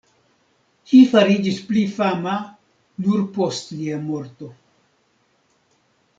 Ĝi fariĝis pli fama nur post lia morto.